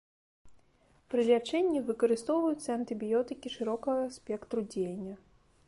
Пры лячэнні выкарыстоўваюцца антыбіётыкі шырокага спектру дзеяння.